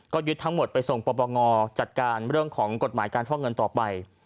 ก็ยึดทั้งหมดไปส่งปปงจัดการเรื่องของกฎหมายการฟอกเงินต่อไป